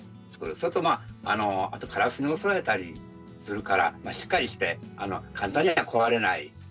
それとまあカラスに襲われたりするからしっかりして簡単には壊れない